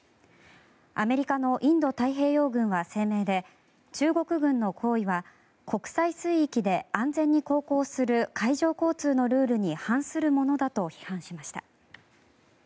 アメリカのインド太平洋軍は声明で中国軍の行為は国際水域で安全に航行する海上交通のルールに反するものだと批判しました。